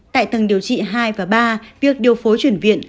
tại tầng điều trị hai và ba việc điều phối chuyển viện